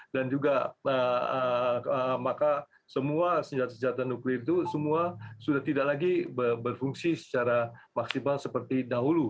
dan juga maka semua senjata senjata nuklir itu semua sudah tidak lagi berfungsi secara maksimal seperti dahulu